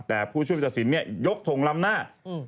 แต่ผู้ชมสัตว์สินยกถงลำหน้า